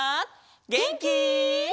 げんき？